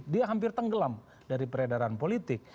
dia hampir tenggelam dari peredaran politik